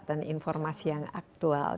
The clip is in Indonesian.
dan informasi yang aktual